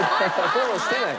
フォローになってない。